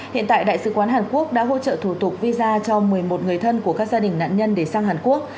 hiện tại đại sứ quán hàn quốc đã hỗ trợ thủ tục visa cho một mươi một người thân của các gia đình nạn nhân để sang hàn quốc